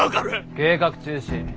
計画中止。